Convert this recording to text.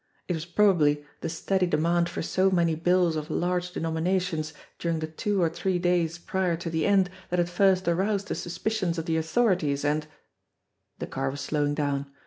It was probably the steady demand for so many bills of large denominations during the two or three days prior to the end that had first aroused the suspicions of the authorities, and The car was slowing down.